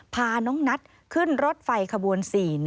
พาน้องนัทขึ้นรถไฟขบวน๔๑